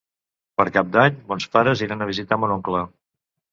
Per Cap d'Any mons pares iran a visitar mon oncle.